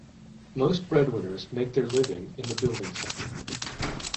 Most breadwinners make their living in the building sector.